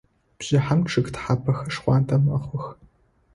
Бжыхьэм чъыг тхьапэхэр шхъуантӏэ мэхъух.